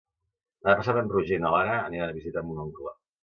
Demà passat en Roger i na Lara aniran a visitar mon oncle.